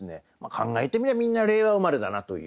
考えてみりゃみんな令和生まれだなという。